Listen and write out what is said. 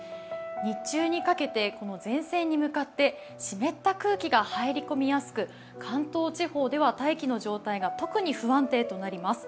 日中にかけて、前線に向かって湿った空気が入りやすく関東地方では大気の状態が特に不安定となります。